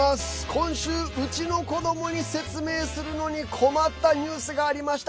今週うちの子どもに説明するのに困ったニュースがありました。